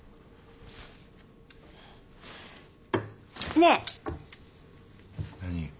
ねえ。何？